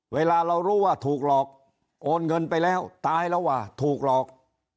เวลาเรารู้ว่าถูกหลอกโอนเงินไปแล้วตายแล้วว่าถูกหลอก